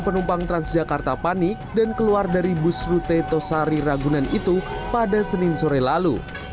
penumpang transjakarta panik dan keluar dari bus rute tosari ragunan itu pada senin sore lalu